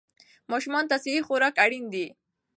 ماشومان ته صحي خوراک اړین دی.